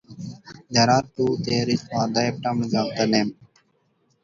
There are two theories for the etymology of the name.